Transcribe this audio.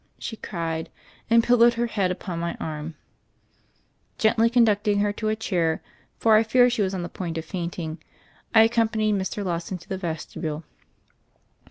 she cried, and pillowed her head upon my arm. Gently conducting her to a chair, for I feared she was on the point of fainting, I accompanied Mr. Lawson to the vestibule.